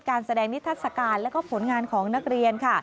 การแสดงนิทัศน์การและผลงานของนักเรียน